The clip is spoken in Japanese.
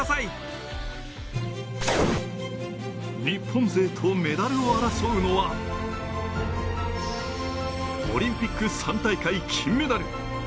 日本勢と、メダルを争うのはオリンピック３大会金メダル